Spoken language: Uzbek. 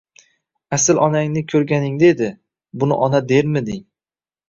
Asl onangni ko'rganinga edi, buni ona dermiding?!